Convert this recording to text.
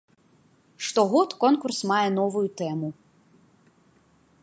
Штогод конкурс мае новую тэму.